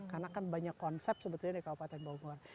karena kan banyak konsep sebetulnya di kabupaten bogor